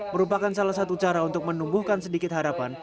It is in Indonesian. merupakan salah satu cara untuk menumbuhkan sedikit harapan